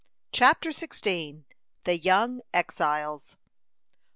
CHAPTER XVI. THE YOUNG EXILES.